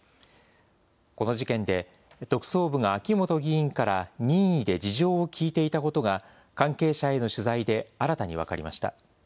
この事件で、特捜部が秋本議員から任意で事情を聴いていたことが、関係者への取材で新たに分かりました。